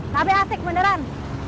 tapi asik beneran